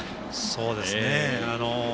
そうですね。